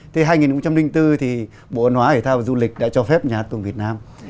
thì hai nghìn bốn thì bộ ngoại hệ thao du lịch đã cho phép nhát tuồng việt nam